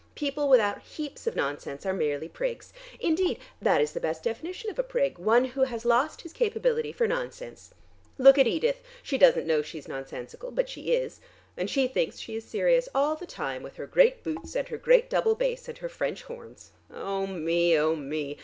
People without heaps of nonsense are merely prigs. Indeed that is the best definition of a prig, one who has lost his capability for nonsense. Look at Edith! She doesn't know she's nonsensical, but she is. And she thinks she is serious all the time with her great boots and her great double bass and her French horns. Oh me, oh me!